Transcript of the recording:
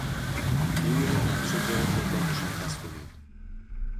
روی این نقشه جای خود را مشخص کنید.